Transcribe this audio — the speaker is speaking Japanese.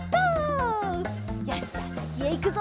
よしじゃあさきへいくぞ！